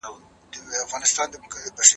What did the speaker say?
ډیپلوماسي د خپلواکۍ دفاع ده.